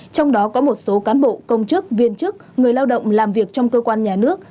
trong đó có một số cán bộ công chức viên chức người lao động làm việc trong cơ quan nhà nước